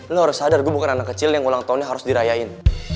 lo harus sadar gue bukan anak kecil yang ulang tahunnya harus dirayain